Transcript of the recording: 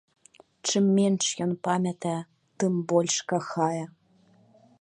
Чым менш ён памятае, тым больш кахае.